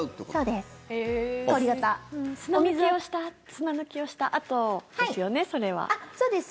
砂抜きをしたあとですよねそれは。そうです。